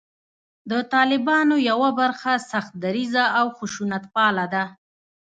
د طالبانو یوه برخه سخت دریځه او خشونتپاله ده